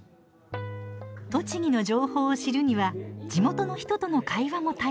栃木の情報を知るには地元の人との会話も大切という２人。